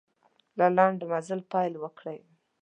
له لنډ مزله پیل وکړئ.